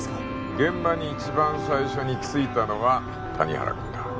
・現場に一番最初に着いたのは谷原君だ